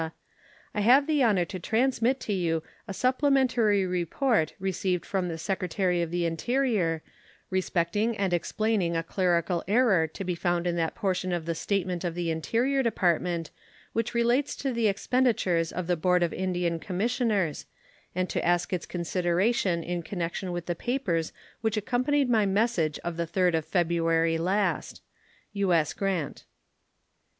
I have the honor to transmit to you a supplementary report received from the Secretary of the Interior, respecting and explaining a clerical error to be found in that portion of the statement of the Interior Department which relates to the expenditures of the Board of Indian Commissioners, and to ask its consideration in connection with the papers which accompanied my message of the 3d of February last. U.S. GRANT.